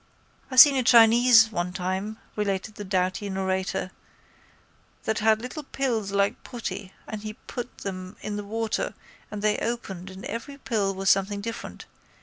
—I seen a Chinese one time, related the doughty narrator, that had little pills like putty and he put them in the water and they opened and every pill was something different.